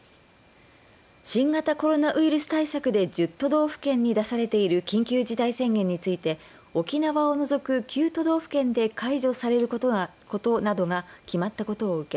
新型コロナウイルス対策で１０都道府県に出されている緊急事態宣言について沖縄を除く９都道府県で解除されることなどが決まったことを受け